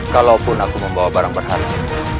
kalaupun aku membawa barang berharga